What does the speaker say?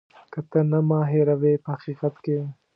که ته ما هېروې په حقیقت کې.